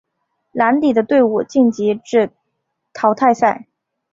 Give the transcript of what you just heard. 蓝底的队伍晋级至淘汰赛。